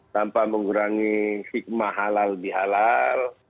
tanpa mengurangi hikmah halal di halal